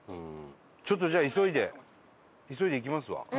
ちょっとじゃあ急いで急いで行きますわ。